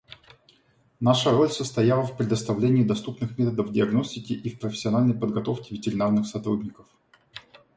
Наша роль состояла в предоставлении доступных методов диагностики и в профессиональной подготовке ветеринарных сотрудников.